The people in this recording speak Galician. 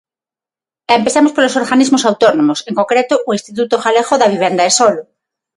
Empezamos polos organismos autónomos, en concreto o Instituto Galego da Vivenda e Solo.